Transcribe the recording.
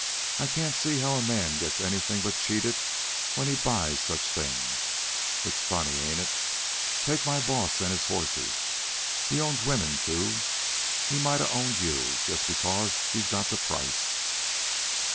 I can't see how a man gets anything but cheated when he buys such things. It's funny, ain't it? Take my boss an' his horses. He owns women, too. He might a owned you, just because he's got the price.